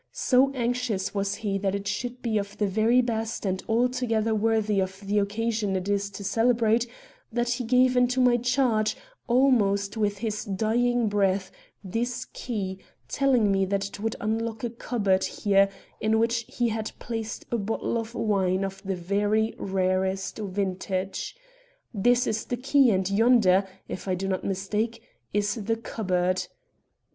So anxious was he that it should be of the very best and altogether worthy of the occasion it is to celebrate, that he gave into my charge, almost with his dying breath, this key, telling me that it would unlock a cupboard here in which he had placed a bottle of wine of the very rarest vintage. This is the key, and yonder, if I do not mistake, is the cupboard."